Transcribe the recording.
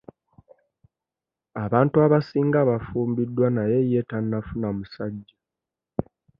Abantu abasinga bafumbiddwa naye ye tannafuna musajja.